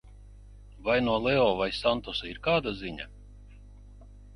Vai no Leo vai Santosa ir kāda ziņa?